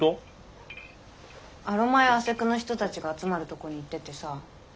アロマやアセクの人たちが集まるとこに行っててさ。